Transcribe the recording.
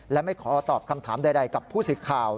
และไม่ขอตอบคำถามใดกับผู้สื่อข่าว